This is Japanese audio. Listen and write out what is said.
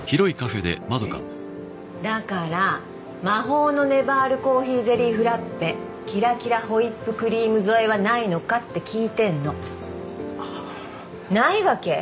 だから魔法のねばーるコーヒーゼリーフラッペキラキラホイップクリーム添えはないのかって聞いてんのはあないわけ？